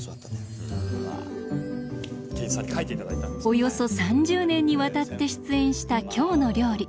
およそ３０年にわたって出演した「きょうの料理」。